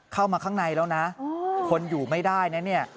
เข้ามาข้างในแล้วนะคนอยู่ไม่ได้นะเนี่ย